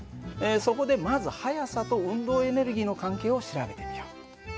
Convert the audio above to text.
そこでまず速さと運動エネルギーの関係を調べてみよう。